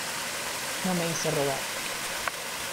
no me hice rogar.